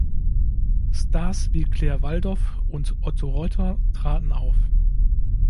Stars wie Claire Waldoff und Otto Reutter traten auf.